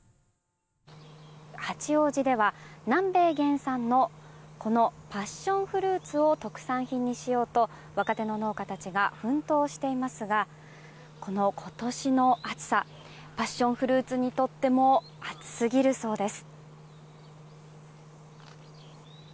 八王子では南米原産のパッションフルーツを特産品にしようと若手の農家たちが奮闘していますが今年の暑さパッションフルーツにとっても暑すぎるそうです。